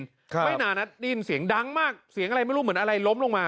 ไม่นานนะได้ยินเสียงดังมากเสียงอะไรไม่รู้เหมือนอะไรล้มลงมา